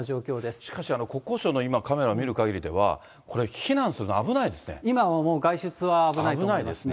しかし、国交省の今、カメラ見るかぎりでは、これ、避難するの危ないです